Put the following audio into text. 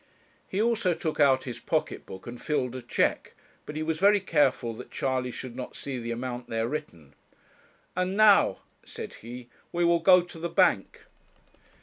He also took out his pocket book and filled a cheque, but he was very careful that Charley should not see the amount there written. 'And now,' said he, 'we will go to the bank.'